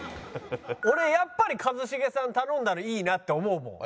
俺やっぱり一茂さん頼んだのいいなって思うもん。